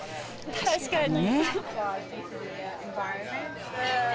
確かにね。